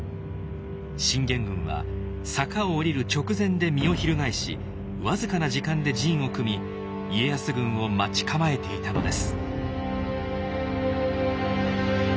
信玄軍は坂を下りる直前で身を翻し僅かな時間で陣を組み家康軍を待ち構えていたのです。